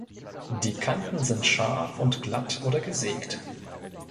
Die Kanten sind scharf und glatt oder gesägt.